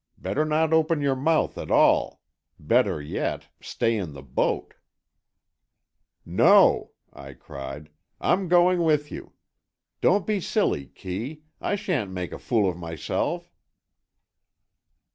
Better not open your mouth at all. Better yet, stay in the boat——" "No," I cried, "I'm going with you. Don't be silly, Kee, I sha'n't make a fool of myself."